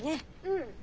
うん。